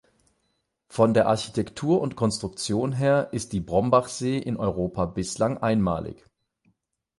Von der Architektur und Konstruktion her ist die Brombachsee in Europa bislang einmalig.